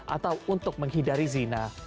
atau untuk menghidari zina